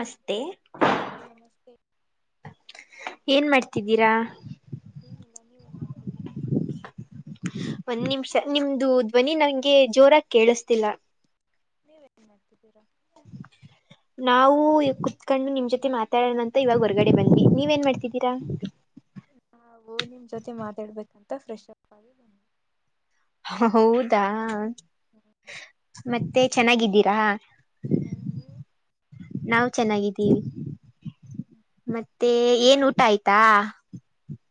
ನಸ್ತೆ ನಮಸ್ತೆ ಏನ್ ಮಾಡ್ತಿದ್ದೀರಾ ಏನಿಲ್ಲ ನೀವ ಏನ್ ಮಾಡ್ತೀರಿ ಒಂದ್ ನಿಮಿಷ ನಿಮ್ದು ಧ್ವನಿ ನಂಗೆ ಜೋರ ಕೇಳಿಸ್ತಿಲ್ಲ ನೀವು ಏನ್ ಮಾಡ್ತಿದ್ದೀರಾ [unintelligible] ನಾವು ಕುೂತ್ಕೊಂಡು ನಿಮ್ ಜೊತೆ ಮಾತಾಡೋಣ ಅಂತ ಇವಾಗ ಹೊರ್ಗಡೆ ಬಂದವಿ ನೀವ್ ಏನ್ ಮಾಡ್ತಿದ್ದೀರಾ [inaudible] ನಾಓ ನಿಮ್ ಜೊತೆ ಮಾತಾಡ್ಬೇಕಂತ ಫ್ರೆಶ್ ಅಪ್ ಆಗಿ ಬಂದವಿ ಹೌದಾ ಮತ್ತೆ ಚೆನ್ನಾಗಿದ್ದೀರಾ ಹ್ಮ ನೀವು ನಾವು ಚೆನ್ನಾಗಿದ್ದೀವಿ ಮತ್ತ ಮತ್ತೆ ಏನ್ ಊಟ ಆಯ್ತಾ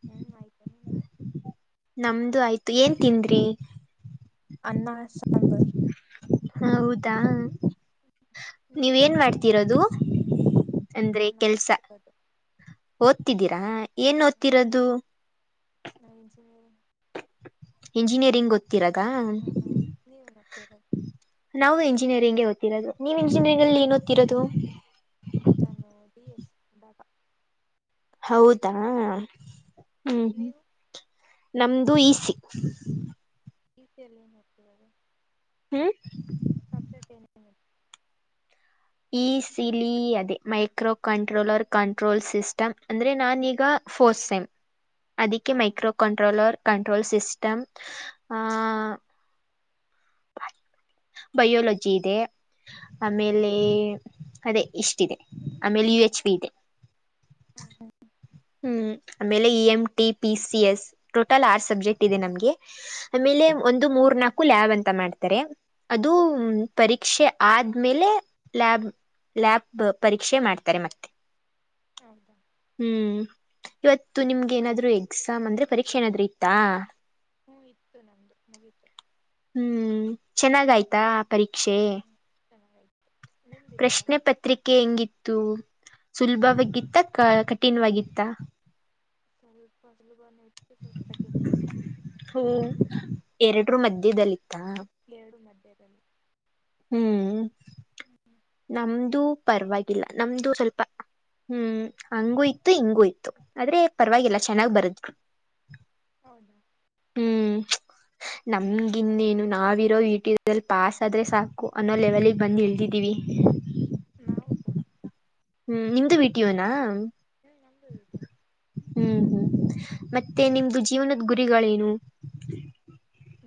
ಹ್ಮ್ ಆಯ್ತು ನಿಮ್ದು ನಮ್ದು ಆಯ್ತು ಏನ್ ತಿಂದ್ರಿ ಅನ್ನ ಸಾಂಬರ್ ಹ ಹೌದಾ ನೀವ ನೀವೇನ್ ನ್ ಮಾಡ್ತಿರೋದು ನಾ ಅಂದ್ರೆ ಕೆಲ್ಸ ನಾವುದತದು ಓದ್ತಿದ್ದೀರಾ ಏನ್ ಓದ್ತಿರೋದು ನಾನು ಇಂಜಿನಿಯರಿಂಗ್ ಇಂಜಿನಿಯರಿಂಗ್ ಗೊತ್ತಿರದ ಹಾ ನೀವೇನ್ ಓದ್ತಿರೋದು ನಾವು ಇಂಜಿನಿಯರಿಂಗ ದ್ತಿರೋದು ನೀವು ಇಂಜಿನಿಯರಿಂಗ್ಲ್ಲಿ ಹೇಳಿ ಏ ಓ ರೋದು ನಾನು ಡಿ ಎಸ್ ಬಾಬಾ ಹೌದಾ ಹ್ಮ್ ಹ್ಮ್ ನೀವು ನಮ್ದು ಈಸಿ ರೀತಿಯಲ್ಲಿ ನೋಡ್ತದು ಹ್ಮ ಸಬ್ಜೆಕ್ಟ್ ಏನ ಈಸಿಲಿ ಅದೇ ಮೈಕ್ರೋ ಕಂಟ್ರೋಲ್ರ್ ಕಂಟ್ರೋಲ್ ಸಿಸ್ಟಮ್ ಅಂದ್ರೆ ನಾನೀಗ ಫೋರ್ಸ್ ಸೇಮ್ ಅದಕ್ಕೆ ಹಾ ಮೈಕ್ ಕಂಟ್ರೋಲರ್ ಕಂಟ್ರೋಲ್ ಸಿಸಿಸ್ಟಮ ಆ ಬಯೋಲಜಿ ಇದೆ ಹ್ಮ್ ಆಮೇಲೆ ಅದೇ ಇಷ್ಟ ಇದೆ ಆಮೇಲೆ ಯು ಎಚ್ ಪ ಇದೆ ಹಾ ಹಾ ಹ್ಮ್ ಆಮೇಲೆ E M T P C S total ಆರ್ ಸಬ್ಜೆಕ್ಟ್ ಇದೆ ನಮ್ಗೆ ಆಮೇಲೆ ಒಂದು ಮೂರ್ ನಾಕು ಲ್ಯಾಬ್ ಅಂತ ಮಾಡ್ತಾರೆ ಅದು ಹ್ಮ್ ಪರೀಕ್ಷೆ ಆದ್ಮೇಲೆ ಲ್ಯಾಬ್ ಲ್ಯಾಬ್ ಪರೀಕ್ಷೆ ಮಾಡ್ತಾರೆ ಮತ್ತೆ [inaudible] ಹೌದ ಹ್ಮ್ ಇವತ್ತು ನಿಮ್ಗೆ ಏನಾದ್ರು ಎಕ್ಸಾಮ್ ಅಂದ್ರೆ ಪರೀಕ್ಷೆ ಏನಾದ್ರು ಇತ್ತಾ ಹ್ಮ್ ಇತ್ತು ನಮ್ದು ಮುಗೀತು ಹ್ಮ್ ಚೆನ್ನಾಗ ಆಯ್ತಾ ಪರೀಕ್ಷೆ ಹ್ಮ್ ಚೆನ್ನಾಗಾಯ್ತು ನಿಮ್ದಿತ್ತಾ ಪ್ರಶ್ನೆ ಪತ್ರಿಕೆ ಎಂಗಿತ್ತು ಸುಲಭವಾಗಿತ್ತ ಕ ಕಠಿಣವಾಗಿತ್ತ ಚಲ್ ಪದಲು ಬ ನಲ್ ಕಠಿ ಹ ಎರಡರು ಮಧ್ಯದದಲ್ಲಿತ್ತ ಎರಡು ಮಧ್ಯದಲ್ಲಿ ಹ್ಮ್ ನಮ್ದು ಪರವಾಗಿಲ್ಲ ನಮ್ದು ಸ್ವಲ್ಪ ಹ್ಮ್ ಹಂಗೂ ಇತ್ತು ಹಿಂಗೂ ಇತ್ತು ಆದ್ರೆ ಪರವಾಗಿಲ್ಲ ಚೆನ್ನಾಗ್ ಬರದ್ ಹೌದಾ ಹ್ಮ್ ನಮಗಿನ್ನೇನು ನಾವಿರೋ ಈಟಿಲ್ಲಿ ಪಾಸ್ ಆದ್ರೆ ಸಾಕು ಅನ್ನೋ ಲೆವೆಲ್ಗ್ ಬಂದು್ ಹಳ್ತಿದ್ದೀವಿ ನಾವು ಕೂಡ ಹ್ಮ್ ನಿ ವೀಟಿಯೋನಾ ಹ್ಮ ನಮ್ದದು ಹ್ಮ್ ಹ್ಮ್ ಮತ್ತೆ ನಿಮ್ದು ಜೀವನದ ಗುರಿಗಳೇನು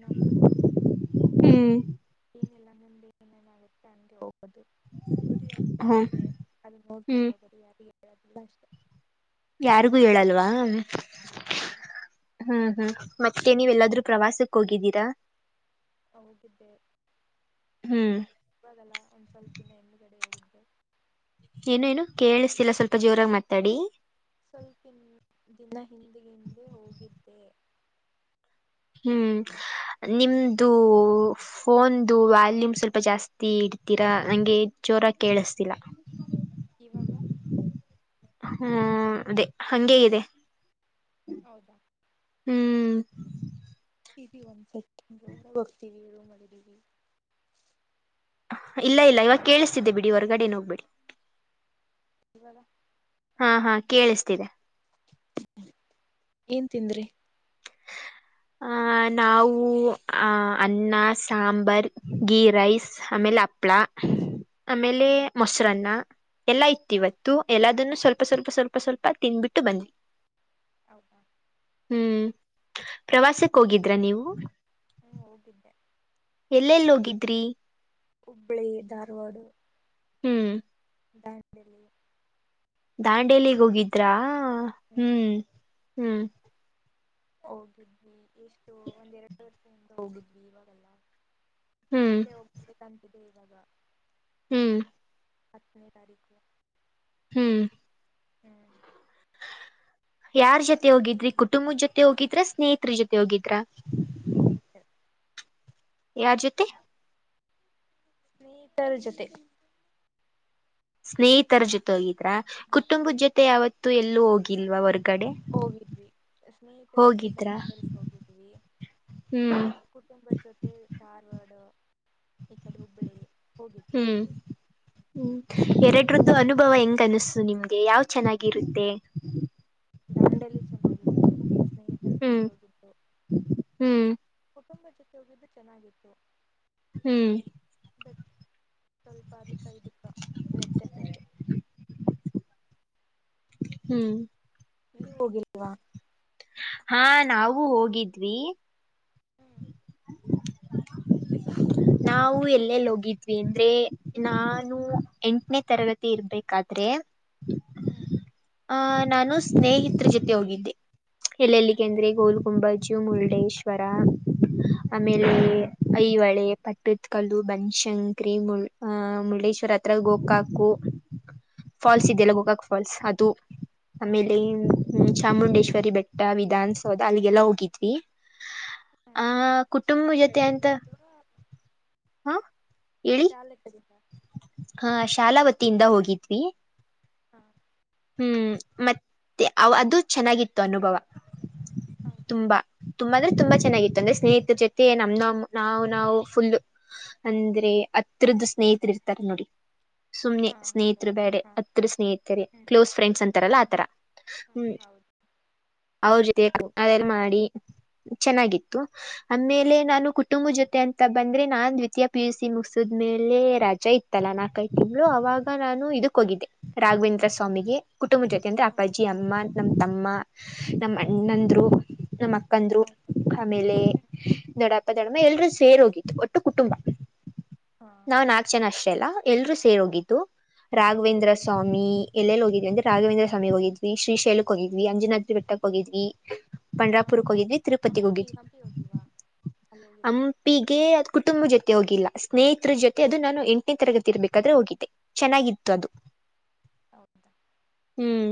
ನಮ್ಮದ ಹ್ಮ್ ಏನಿಲ್ಲ ನಿಮ್ದು ಏನೇನಾಗುತ್ತೆ ಅನ್ಗೆ ಹೋಗೋದು ಗುರಿ ಅಂತ ಹ್ಮ ಬಂದಿದೆ ಅಲ್ಲಿ ಹ್ಮ್ ನೋಡ್ಕೊಂಡು ಹೋಗರು ಯಾರಿಿಗೆ ಹೇಳದಿಲ್ಲ ಅಷ್ಟೆ ಯಾರಿಗೂ ಹೇಳಲ್ವಾ ಇಲ್ಲ ಹ್ಮ್ ಹ್ಮ್ ಮತ್ತೆ ನೀವೆ ಎಲ್ಲಾದೂ ಪ್ರವಾಸಕ್ ಹೋಗಿದ್ದೀರಾ ಹೋಗಿದ್ದೆ ಹ್ಮ್ ಇದಲ್ಲಾ ಒಂದ್ ಸ್ವಲ್ಪಿನ ಹೆಣ್ಣುಗಡೆ ಹೋಗಿದ್ದೆ ಏನು ಏನು ಕೇಳಿಸ್ತಿಲ್ಲ ಸ್ವಲ್ಪ ಜೋರಾಗಿ ಮಾತಾಡಿ ಸ್ವಲ್ಪಿ ದಿನ ಹಿಂದೆ ಹಿಂದೆ ಹೋಗಿದ್ದೆ ಹ್ಮ್ ಹ್ಮ್. ನಿಮ್ದೂ ಫೋನ್ ವಾಲ್ಯೂಮ್ ಸ್ವಲ್ಪ ಜಾಸ್ತಿ ಇಡ್ತೀರಾ ನಂಗೆ ಜೋರ ಕೇಳಿಸತಿಲ್ಲ ಇವಾಗ ಹ್ಮ್ ಅದೇ ಹಂಗಗೆಗಿದೆ ಹೌದಾ ಹ್ಮ್ ಇ ಒಂದ್ ಸೆಕೆಂಡ್ ಡ ಬೋಗರ್ತೀವಿ ಮಾಡಿದೀವಿ ಇಲ್ಲ ಇಲ್ಲ ಇವತ್ತು ಕೇಳಿಸತಿದ್ದೆ ಬಿಡಿ ಹೊರ್ಗಡೆನ ಹ್ಬೇಡಿ ರ ಹಾ ಹಾ ಕೇಳಿಸ್ತಿದೆ ಏನ್ ತಿಂದ್ರಿ? ಆ ನಾವು ಆ ಅನ್ನ ಸಾಂಬಾರ್ ಗೀ ರೈಸ್. ಆಮೇಲೆ ಹಪ್ಳ ಆಮೇಲೆ ಹ್ಮ್ ಮೊಸರನ್ನ ಎಲ್ಲಾ ಇತ್ತು ಹಾ ಇವತ್ತು. ತು ಎಲ್ಲಾದನ್ನು ಸ್ವಲ್ಪ ಸ್ವಲ್ಪ ಸ್ವಲ್ಪ ಸ್ವಲ್ಪ ತಿನ್ಬಿಟ್ಟು ಬಂದ್ವಿ. ಹೌದಾ ಹ್ಮ್ ಪ್ರವಾಸಕ್ಕ್ ಹೋಗಿದ್ರ ನೀವು? ಹ್ಮ ಹೋಗಿದ್ದೆ. ಎಲ್ಲೆಲ್ಲೋಗಿದ್ರಿ? ಹುಬ್ಬಳ್ಳಿ ಧಾರವಾಡು ಹ್ಮ್ ದಾಂಡೇಲಿ. ದಾಂಡೇಲಿಗ್ ಹೋಗಿದ್ರಾ ಹ್ಮ್ ಹ್ಮ್ ಹೋಗಿದ್ವಿ ಎಷ್ಟು ಒಂದ್ ಎರಡು ವರ್ಷದಿಂದ ಹೋಗಿದ್ವಿ ಇವಾಗಲ್ಲ. ಹ್ಮ್ ಮತ್ತೆ ಹೋಗ್ಬೇಕಂತಿದ್ವಿ ಇವಾಗ. ಹ್ಮ್ ಹತ್ತನೇ ತಾರೀಖು. ಹ್ಮ್ ಹ್ಮ್ ಯಾರ್ ಜೊತೆ ಹೋಗಿದ್ರಿ ಕುಟುಂಬದ ಜೊತೆ ಹೋಗಿದ್ರ, ಸ್ನೇಹಿತರ ಜೊತೆ ಹೋಗಿದ್ರ? ಸ್ನೇಹಿತ್ರು. ಯಾರ್ ಜೊತೆ? ಸ್ನೇಹಿತರ್ಜತೆ. ಸ್ನೇಹಿತರ ಜೊತೆ ಹೋಗಿದ್ರ, ಹಾ ಕುಟುಂಬದ ಜೊತೆ ಯಾವತ್ತೂ ಎಲ್ಲೂ ಹೋಗಿಲ್ವ ಹೊರ್ಗೆ. ಹೋಗಿದ್ವಿ ಸ್ನೇಹಿತರ ಜೊತೆ ಹೋಗಿದ್ರಾ ದಾಂಡೇಲ್ಗೆ ಹೋಗಿದ್ವಿ. ಹ್ಮ್ ಕುಟುಂಬದ ಜೊತೆ ಧಾರ್ವಾಡ್ ಈ ಕಡೆ ಹುಬ್ಬಳ್ಳಿ. ಹೋಗಿದ್ವಿ ಹ್ಮ್ ಹ್ಮ್ ಎರಡ್ರದ್ದು ಅನುಭವ ಹೆಂಗ ಅನಸ್ತು ನಿಮ್ಗೆ ಯಾವ್ ಚೆನ್ನಾಗಿರುತ್ತೆ? ದಾಂಡೇಲಿ ಚನ್ನಾಗಿತ್ತು ಸ್ನೇಹಿತರ್ ಜತೆ ಹ್ಮ್ ಹೋಗಿದ್ದು. ಹ್ಮ್ ಕುಟುಂಬದ್ ಜೊತೆ ಹೋಗಿದ್ದು ಚೆನ್ನಾಗಿತ್ತು. ಹ್ಮ್ ಬಟ್ ಸ್ವಲ್ಪ ಅದಕ್ಕು ಇದಕ್ಕು ವ್ಯತ್ಯಾಸ ಇದೆ. ಹ್ಮ್ ನೀವು ಹೋಗಿಲ್ವಾ? ಹಾ ನಾವು ಹೋಗಿದ್ವಿ. ಹ್ [unintelligible] ನಾವು ಎಲ್ಲೆಲ್ಲಿ ಹೋಗಿದ್ವಿ ಅಂದ್ರೆ ನಾನು ಎಂಟನೇ ತರಗತಿ ಇರ್ಬೇಕಾದ್ರೆ. ಹ್ಮ್ ಆ ನಾನು ಸ್ನೇಹಿತರ್ ಜೊತೆ ಹೋಗಿದ್ದೆ. ಎಲ್ಲೆಲ್ಲಿಗೆ ಹೌದಾ ಅಂದ್ರೆ ಗೋಲ್ ಗುಂಬಜು ಮುರುಡೇಶ್ವರ ಹ್ಮ್ ಆಮೇಲೆ ಐಹೊಳೆ ಪಟ್ಟದ್ ಕಲ್ಲು ಬನಶಂಕರಿ ಮು ಅ ಮುರುಳೇಶ್ವರ ಹತ್ರ ಗೋಕಾಕು. ಫಾಲ್ಸ್ ಹ್ಮ್ ಇದೆಯಲ್ಲ ಗೋಕಾಕ್ ಫಾಲ್ಸ್ ಅದು ಹಾ ಆಮೇಲೆ ಹಾ ಮ ಚಾಮುಂಡೇಶ್ವರಿ ಬೆಟ್ಟ, ವಿಧಾನಸೌಧ ಅಲ್ಲಿಗೆಲ್ಲ ಹೋಗಿದ್ವಿ. ಆ ಕುಟುಂಬ ಜೊತೆ ಅಂ ಇ [unintelligible] ಹಾ ಹೇಳಿ. ಶಾಲಲೆಕ್ಕಿದ್ದಾ ಹಾ ಶಾಲಾ ವತಿಯಿಂದ ಹೋಗಿದ್ವಿ ಹಾ ಹ್ಮ್ ಮತ್ತೆ ಅದು ಚೆನ್ನಾಗಿತ್ತು ಅನುಭವ ಹಾ ತುಂಬಾ ತುಂಬಾ ಅಂದ್ರೆ ತುಂಬಾ ಚೆನ್ನಾಗಿತ್ತು ಅಂದ್ರೆ ಸ್ನೇಹಿತರ ಜೊತೆ ನಮ್ಮಮ್ಮ ನಾವು ನಾವು ಫುಲ್ ಅಂದ್ರೆ ಹತ್ರಿರದ್ದ ಸ್ನೇಹಿತರಿ ಇರ್ತಾರ ನೋಡಿ ಸುಮ್ಮ್ನೆ ಹಾ ಸ್ನೇಹಿತೃ ಹೌದೌದು ಬೇಡೆ ಹಾ ಅತ್ರ ಸ್ನೇಹಿತರೆೇ ಹ್ಮ್ ಕ್ಲೋಸ್ ಫ್ರೆಂಡ್ಸ್ ಅಂತಾರಲ್ಲ ಹ್ಮ್ ಆಥರ ಹಾ ಹ್ಮ ಹೌದು ಅವ್ರ ಜೊತೆ ಅದೆಲ್ಲ ಮಾಡಿ ಚೆನ್ನಾಗಿತ್ತು [unintelligible] ಆಮೇಲೆ ನಾನು ಕುಟುಂಬ ಜೊತೆ ಅಂತ ಬಂದ್ರೆ ನಾನ್ ದ್ವಿತೀಯ ಪಿ ಯು ಸಿ ಮುಗಸದ್ಮೇಲೆ ರಜಾ ಇತ್ತು ತಲಾನಾಕೈತಿ ತಿಮ್ಳು ಅವಾಗ ನಾನು ಇದಕ್ಕ ಹೋಗಿದ್ದೆ ರಾಘವೇಂದ್ರ ಸ್ವಾಮಿಗೆ ಕುಟುಂಬ ಜೊತೆ ಅಂದ್ರೆ ಹಾ ಅಪ್ಪಜ್ಜಿ ಅಮ್ಮ ನಮ್ಮ ತಮ್ಮ ನಮ್ಮ ಅಣ್ಣಂದ್ರು ನಮ್ಮ ಅಕ್ಕಂದ್ರು ಹೌದು ಆಮೇಲೆ ಹ್ಮ್ ದೊಡ್ಡ ದಡೆ ಎಲ್ರೂ ಸೇರ್ ಹೋಗಿತ್ತು ಒಟ್ಟು ಕುಟುಂಬ ಹಾ ನಾ್ ನಾಲ್ ಚನ ಅಷ್ಟೇ ಅಲ್ಲಾ ಎಲ್ರೂ ಸೇರ್ ಹೋಗಿದ್ದು ರಾಘವೇಂದ್ರ ಫುಲ್ ಸ್ವಾಮಿ ಎಲ್ಲೆಲ್ಲಿ ಹೋಗಿದ್ವಿ ಅಂದೆ ರಾಘೇಂದ್ರ ಸ್ವಾಮಿಗೆ ಹೋಗಿದ್ವಿ ಶ್ರೀಶೈಲಕ್ ಹೋಗಿದ್ವಿ ಅಂಜನಾದ್ರ ಬೆಟ್ಟಕ್ಕೆ ಹೋಗಿದ್ವಿ ಹಾ ಪಂಡ್ರಾಪುರಕ್ಕೆ ಹೋಗಿದ್ವಿ ತಿರುಪತಿಗೆ ಹಂಪಿ ಹೋಗಿದ್ವಿ ಹಂಪಿ ಹೋಗಿಲ್ವಾ ಅಲ್ಲಿ ಅ ಹೋಗಿದ್ದು ಹೀಗೆ ಕುಟುಂಬ ಜೊತೆ ಹೋಗಿಲ್ಲ ಸ್ನೇಹಿತರ ಜೊತೆ ಅದು ನಾನು ಎಂಟನೇ ತರಗತಿ ಇರ್ಬೇಕಾದ್ರೆ ಹೋಗಿದ್ದೆ ಚೆನ್ನಾಗಿತ್ತು ಅದು ಹೌದಾ ಹ್ಮ್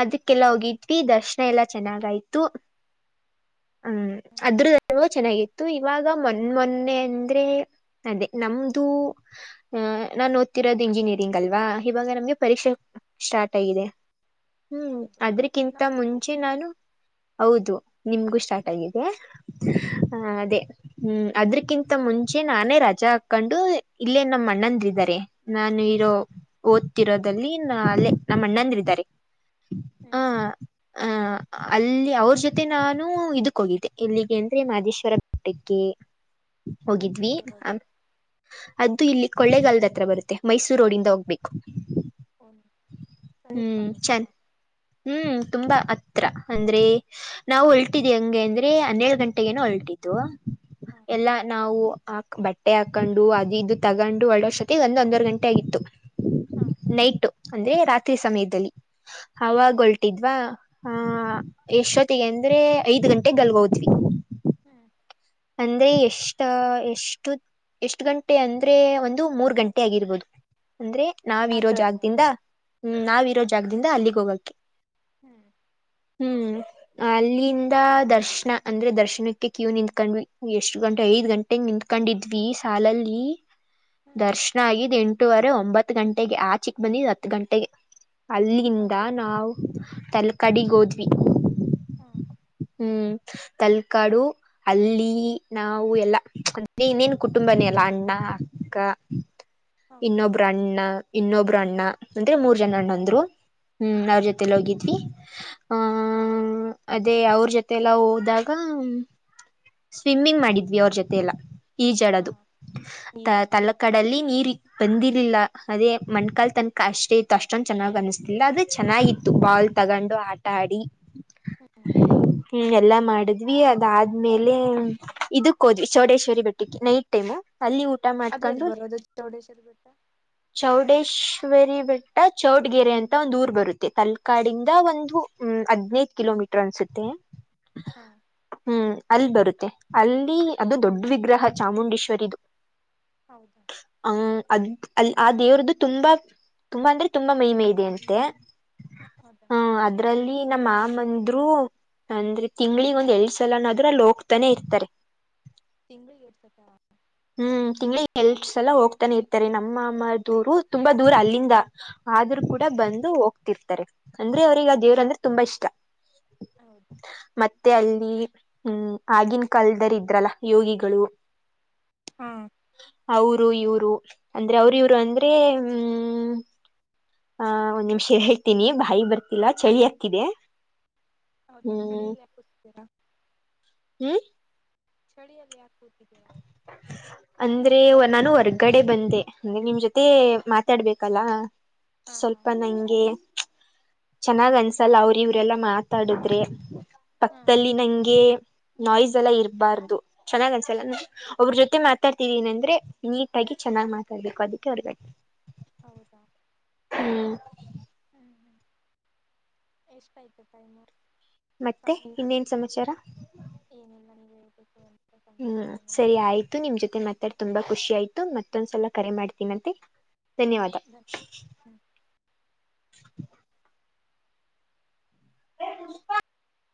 ಅದಕ್ಕೆಲ್ಲ ಹೋಗಿದ್ವಿ ದರ್ಶನ ಎಲ್ಲಾ ಚೆನ್ನಾಗಯ್ತು ಹ್ಮ್ ಅದ್ರದ ಚೆನ್ನಾಗಿತ್ತು ಇವಾಗ ಮೊನ್ನ ಮೊನ್ನೆ ಅಂದ್ರೆ ಅದೇ ನಮ್ದು ಆಹ ನಾನ್ ಓದ್ತಿರೋದು ಇಂಜಿನಿಯರಿಂಗ್ ಅಲ್ವಾ ಇವಾಗ ನಮ್ಗೆ ಪರೀಕ್ಷೆ ಸ್ಟಾರ್ಟ್ ಆಗಿದೆ ಹ್ಮ್ ಹೌದು ಅದ್ರಕ್ಕಿಂತ ನಮಗೂ ಮುಂಚೆ ನಾನು ಹೌದು ನಿಮಗೂ ಸ್ಟಾರ್ಟ್ ಹ್ಮ್ ಆಗಿದೆ ಅದೇ ಹ್ಮ್ ಅದ್ರಕ್ಕಿಂತ ಮುಂಚೆ ನಾನೇ ರಜಾ ಹಾಕೊಂಡು ಇಲ್ಲೇ ನಮ್ಮ ಅಣ್ಣಂದ್ರಾರೆ ನಾನು ಇರೋ ಓದ್ತಿರೋದದಲ್ಲಿ ನ ಅಲ್ಲೇ ನಮ್ಮ ಅಣ್ಣಂದರು ಇದಾರೆ ಹ ಹ್ಮ್ ಹ ಅಲ್ಲಿ ಅವ್ರ ಜೊತೆ ನಾನು ಇದಕ್ಕ ಹೋಗಿದ್ದೆ ಇಲ್ಲಿಗೆ ಅಂದ್ರೆ ಮಹದೇಶ್ವರ ಬೆಟ್ಟಕ್ಕೆ ಹೋಗಿದ್ವಿ ಅದೆಲ್ ಆ ಬರೋದು ಅದ್ದು ಇಲ್ಲಿ ಕೊಳ್ಳೆಗಾಲಹತ್ರ ಬರುತ್ತೆ ಮೈಸೂರು ರೋಡಿಂದ ಹೋಗ್ಬೇಕು ಹದು ಹ್ಮ್ ಚಂದ ಹ್ಮ್ ತುಂಬಾ ಹತ್ರ ಅಂದ್ರೆ ನಾವು ಹೊಲ್ಟಿದ್ ಹಂಗೆ ಅಂದ್ರೆ ಹನ್ನೆೇಳ ಗಂಟೆಗನು ಹೊಲ್ಟಿತು ಹಾ ಎಲ್ಲಾ ನಾವು ಬಟ್ಟೆ ಹಾಕೊಂಡು ಅದು ಇದು ತಗೊಂಡು ಒಳ್ಳ ವರ್ಷತ್ತ ಒಂದ ಒಂದವರ್ ಗಂಟೆ ಆಗಿತ್ತು ಹಾ ನೈಟ್ ಅಂದ್ರೆ ರಾತ್ರಿ ಹಾ ಸಮಯದಲ್ಲಿ ಹಾ ಅವವಾಗ ಹೊಲ್ಟಿದ್ವಾ ಹಾ ಯಶೊತ್ತಿಗೆ ಅಂದ್ರೆ ಐದ್ ಗಂಟೆಗೆ ಗಲ್ಗೋದ್ವಿ ಹಾ ಅಂದ್ರೆ ಎಷ್ಟ ಎಷ್ಟು ಎಷ್ಟು ಗಂಟೆ ಅಂದ್ರೆ ಒಂದು ಮೂರ್ ಗಂಟೆ ಆಗಿರ್ಬೋದು ಅಂದ್ರೆ ನಾವ್ರೋ ರಾತ್ರಿ ಹೊತ್ತಲ್ಲ ಜಾಗದಿಂದ ಹ್ಮ್ ನಾವ್ರೋ ಜಾಗದಿಂದ ಅಲ್ಲಿಗ್ ಹೋಗಕ್ಕೆ ಹ್ಮ್ ಹ್ಮ್ ಅಲ್ಲಿಂದ ದರ್ಶನ ಅಂದ್ರೆ ದರ್ಶನಕ್ಕೆ ಕ್ಯೂ ನಿಂದ ಕ್ ಎಷ್ಟ ಗಂಟೆ ಐದ್ ಗಂಟೆಗೆ ನಿಂಕೊಂಡಿದ್ವಿ ಸಾಲಲ್ಲಿ ಹ್ಮ್ ದರ್ಶನ್ ಕಗಿದ್ದ್ ಎಂಟೂುವರೆ ಒಂಬತ್ತು ಗಂಟೆಗೆ ಆಚಿಕ್ ಬಂದಿದ ಹತ್ತು ಗಂಟೆಗೆ ಅಲ್ಲಿಂದ ಮತ್ತೆ ನಾವವು್ ತಲಕಡಿಗ್ೋದ್ವಿ ಹಾ ಹ್ಮ್ ತಲ್ಕಾಡು ಅಲ್ಲಿ ನಾವು ಎಲ್ಲ ಇನ್ನೇನ್ ಕುಟುಂಬನೇ ಅಲ್ಲ ಅಣ್ಣ ಅಕ್ಕ ಹೌದು ಇನ್ನೊಬ್ರು ಅಣ್ಣ ಇನ್ನೊಬ್ರು ಅಣ್ಣ ಅಂದ್ರೆ ಮೂರ್ ಜನಣ್ಣ ಹ್ಮ್ ಅಂದ್ರು ಹ್ಮ್ ಅವ್ರ ಜೊತೆಲ್ಲ ಹೋಗಿದ್ವಿ ಹ್ಮ ಅದೇ ಅವ ಅವ ಜೊತೆಲ್ಲಾ ಹೋದಾಗ ಸ್ವಿಮ್ಮಿಂಗ್ ಮಾಡಿದ್ವಿ ಅವ್ರ ಜೊತೆಲ್ಲ ಹಾ ಈಜಡದು ಹೀಗೆ ತಳ್ಳಕಡಲ್ಲಿ ನೀರಿ ಬಂದಿರ್ಲಿಲ್ಲ ಅದೇ ಮಣ್ಕಾಲ್ ತನಕ ಅಷ್ಟೇ ಇತ್ತು ಅಷ್ಟೊಂದು ಚೆನ್ನ್ ಅನ್ನಿಸ್ತಿಿಲ್ಲ ಅದು ಚೆನ್ನಾಗಿತ್ತು ಬಾಲ್ ತಗೊಂಡು ಆಟ ಆಡಿ ಹಾ ಹ್ಮ್ ಎಲ್ಲಾ ಮಾಡಿದ್ವಿ ಅದಾದ್ಮೇಲೆ ಇದಕ್ ಹೋದ್ವಿ ಚೌಡೇಶ್ವರಿ ಬೆಟ್ಟಿಕ್ಕೆ ನೈಟ್ ಟೈಮು ಅಲ್ಲಿ ಅದೇ ಅಲ್ಲಿ ಮಾಡ್ಕೊಂಡು ಬರೋದು ಚೌಡೇಶ್ರ್ ಬೆಟ್ಟ ಚೌಡೇಶ್ವರಿ ಬೆಟ್ಟ ಚೌಡ್ಗೆರೆ ಅಂತ ಒಂದು್ ಊರ್ ಬರುತ್ತೆ ತಲ್ ಕಾಡಿಂದ ಒಂದು ಹ್ಮ ಹದ್ನೈದ ಕಿಲೋಮೀಟರ್ ಅನ್ಸುತ್ತೆ ಹಾ ಹ್ಮ್ ಅಲ್ಲಿ ಬರುತ್ತೆ ಅಲ್ಲಿ ಅದು ದೊಡ್ ವಿಗ್ರಹ ಚಾಮುಂಡೇಶ್ವರಿದುು ಹೌದಾ ಹ ಅದ್ ಅಲ್ಲಿ ಆ ದೇವ್ರದ್ದು ತುಂಬಾ ತುಂಬಾ ಅಂದ್ರೆ ತುಂಬಾ ಮಹಮೆ ಇದೆ ಅಂತೆ ಹೌದಾ ಹ ಅದ್ರಲ್ಲಿ ನಮ್ಮಮಂದ್ರು ಅಂದ್ರೆ ತಿಂಗ್ಳಿಗ್ ಒಂದ್ ಎರಡ್ ಸಲ ಅನ್ನೋಾದ್ರರು ಅಲ್ಲಿ ಹೋಗತಾನೆ ಇರ್ತಾರೆ ತಿಂ್ಗಳು ಏಡ್ಸಕ್ಕ ಹ್ಮ್ ತಿಂಗಳಿಗೆ ಎಲ್ ಸಲ ಹೋಗ್ತಾನೆ ಇರ್ತಾರೆ ನಮ್ಮ ಅಮ್ಮ ದೂರು ತುಂಬಾ ದೂರ ಅಲ್ಲಿಂದ ಆದ್ರೂ ಕೂಡ ಬಂದು ಹೋಗ್ತಿರ್ತಾರೆ ಅಂದ್ರೆ ಅವ್ರಗ ದೇವ್ರ ಅಂದ್ರೆ ತುಂಬಾ ಇಷ್ಟ ಹೌದಾ ಮತ್ತೆ ಅಲ್ಲಿ ಹ್ಮ್ ಆಗಿನ ಕಾಲದರ್ ಇದ್ರಲ್ಲ ಯೋಗಿಗಳು ಹಾ ಅವರು ಇವ್ರು ಅಂದ್ರೆ ಅವ್ರು ಇವ್ರು ಅಂದ್ರೆ ಹ್ಮ ಹ ಒಂದ್ ನಿಮ್ಷ ಹೇಳ್ತೀನಿ ಬಾಯಿ ಬರ್ತಿಲ್ಲ ಚಳಿ ಹಕ್ಕಿದೆ ಹೌದಾ ಚಳಿಯಲ್ಲಿ ಯಾಪ್ತೀರಾ ಹ್ಮ್ ಚಳಿಯಲ್ಲಿ ಯಾಕೂತಿದ್ದೀರಾ ಅ ಅಂದ್ರೆ ನಾನು ಹೊರ್ಗಡೆ ಬಂದೆ ಅಂದ್ರೆ ನಿಮ್ ಜೊತೆ ಮಾತಾಡ್ಬೇಕಲ್ಲ ಹಾ ಹಾ ಸ್ವಲ್ಪ ನಂಗೆ ಚೆನ್ನಾಗ್ ಅನ್ಸಲ್ಲ ಅವ್ರ ಇವ್ರಲ್ಲ ಮಾತ ಮಾತಾಡಿದ್ರೆ ಹಾ ಪಕ್ಕದಲ್ಲಿ ನಂಗೆ ನಾಯ್ಸ್ ಎಲ್ಲ ಇರಬಾರ್ದು ಚೆನ್ನಾಗನ್ ಒ ಅವ್ರ ಜೊತೆ ಮಾತಾಡ್ತಿದ್ದೀನ ಅಂದ್ರೆ ನೀಟಾಗಿ ಚೆನ್ನಾಗ್ ಮಾತಾಡ್ಬೇಕು ಅದಕ್ಕೆ ಹೊರ್ಗ ಹೌದಾ ಹ್ಮ ಹ್ಮ್ ಹ್ಮ್ ಎಷ್ಟುಐ್ತ ೈನು ಮತ್ತೆ ಇನ್ನೇನ್ ಸಮಾಚಾರ ಏನಿಲ್ಲ ನೀಗೆ ಹೇಳ್ಬೇಕು ಅಂತ ಹ್ಮ್ ಸಮಾಚಾರನೇ ಸರಿ ಆಯ್ತು ನಿಮ್ ಜೊತೆ ಮಾತಾಡ್ ತುಂಬಾ ಖುಷಿ ಆಯ್ತು ಮತ್ತೊಂದ್ಸಲ ಕರೆ ಮಾಡ್ತೀ ಮತ್ತೆ ಹ್ಮ ಹ್ಮ್ ಪುಷ [unintelligible]